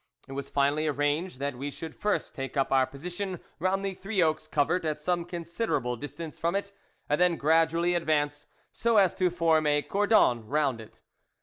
It was finally arranged that we should first take up our position round the Three Oaks Covert at some considerable distance from it, and then gradually advance so as to form a cordon round it.